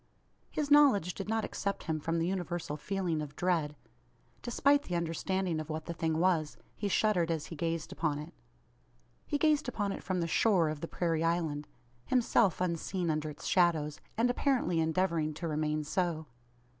His knowledge did not except him from the universal feeling of dread. Despite the understanding of what the thing was, he shuddered as he gazed upon it. He gazed upon it from the "shore" of the prairie island; himself unseen under its shadows, and apparently endeavouring to remain so.